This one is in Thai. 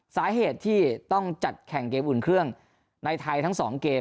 สาเหตุที่ต้องจัดแข่งเกมอุ่นเครื่องในไทยทั้ง๒เกม